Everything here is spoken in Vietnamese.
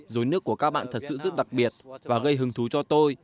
dối nước của các bạn thật sự rất đặc biệt và gây hứng thú cho tôi